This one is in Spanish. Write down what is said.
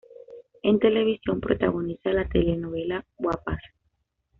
En televisión protagoniza la telenovela, "Guapas".